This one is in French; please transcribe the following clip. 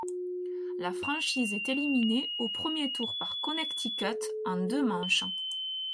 La franchise est éliminée au premier tour par Connecticut en deux manches.